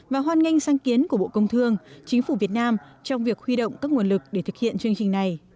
và hoan nghênh sáng kiến của bộ công thương chính phủ việt nam trong việc huy động các nguồn lực để thực hiện chương trình này